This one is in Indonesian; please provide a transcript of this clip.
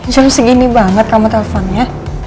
jam segini banget kamu telponnya